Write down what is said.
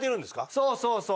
そうそうそう。